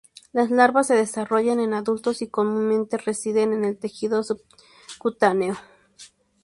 Las larvas se desarrollan en adultos y comúnmente residen en el tejido subcutáneo.